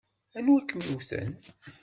Anwa ay kem-iwten?